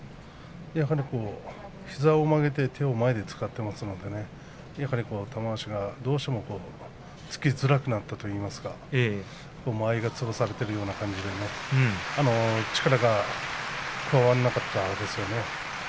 やはり膝を曲げて手を前に使っていますのでやっぱり玉鷲がどうしても突きづらくなったというか間合いが潰されているような感じで力が伝わらなかったんですね。